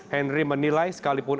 henry menilai sekalipun